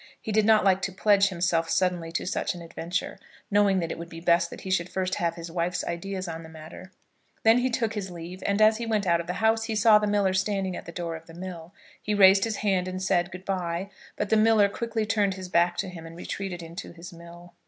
He did not like to pledge himself suddenly to such an adventure, knowing that it would be best that he should first have his wife's ideas on the matter. Then he took his leave, and as he went out of the house he saw the miller standing at the door of the mill. He raised his hand and said, "Good bye," but the miller quickly turned his back to him and retreated into his mill.